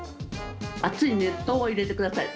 熱い熱湯を入れてください。